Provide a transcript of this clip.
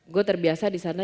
gue terbiasa di sana